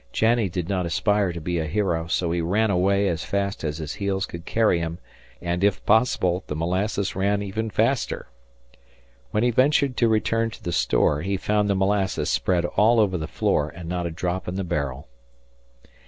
Janney did not aspire to be a hero, so he ran away as fast as his heels could carry him, and, if possible, the molasses ran even faster. When he ventured to return to the store, he found the molasses spread all over the floor, and not a drop in the barrel.